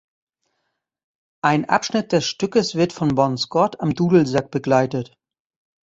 Ein Abschnitt des Stückes wird von Bon Scott am Dudelsack begleitet.